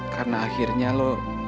karena akhirnya lo